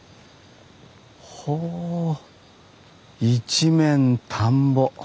ほう一面田んぼ。